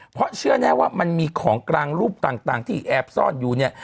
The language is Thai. เพราะเชื่อแน่ว่ามันมีของกลางรูปต่างที่แอบซ่อนอยู่เนี่ย